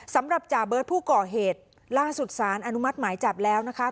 จ่าเบิร์ตผู้ก่อเหตุล่าสุดสารอนุมัติหมายจับแล้วนะคะ